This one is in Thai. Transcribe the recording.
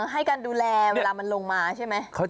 ให้การดูแลเวลามันลงมาใช่ไหม